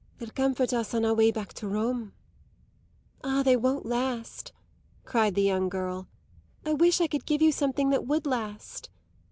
They'll comfort us on our way back to Rome." "Ah, they won't last," cried the young girl. "I wish I could give you something that would last!"